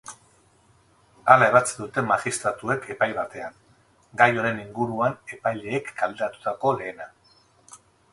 Hala ebatzi dute magistratuek epai batean, gai honen inguruan epaileek kaleratutako lehena.